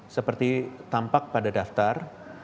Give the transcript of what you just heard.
menampak pada daftar